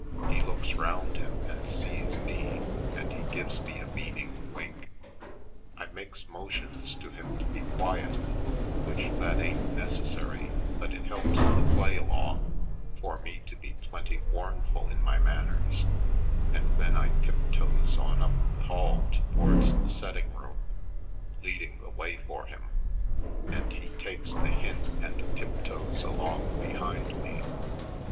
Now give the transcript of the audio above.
He looks round him and sees me and he gives me a meaning wink. I makes motions to him to be quiet, which that ain't necessary but it helps the play along for me to be plenty warnful in my manners; and then I tiptoes on up the hall towards the setting room, leading the way for him; and he takes the hint and tip 238 /. Poindexter^ Colored toes along behind me.